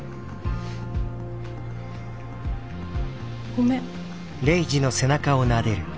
ごめん。